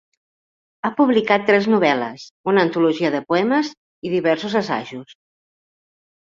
Ha publicat tres novel·les, una antologia de poemes i diversos assajos.